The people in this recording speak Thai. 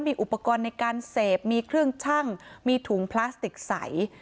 มีอุปกรณ์ในการเสพมีเครื่องชั่งมีถุงพลาสติกใส